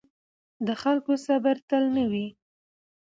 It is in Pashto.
د خلکو صبر تل نه وي